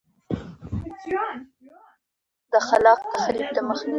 دا کاپي د اجرااتو د اثبات لپاره ده.